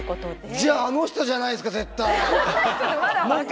じゃああの人じゃないですか絶対！